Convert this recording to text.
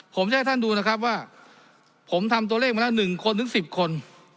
ผมจะให้ท่านดูนะครับว่าผมทำตัวเลขมาแล้ว๑คนถึง๑๐คน